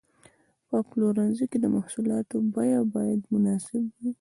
په پلورنځي کې د محصولاتو بیه باید مناسب وي.